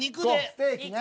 ステーキね。